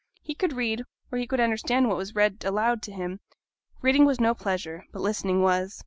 He could read, or he could understand what was read aloud to him; reading was no pleasure, but listening was.